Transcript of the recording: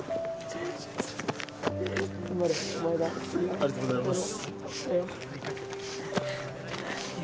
ありがとうございます。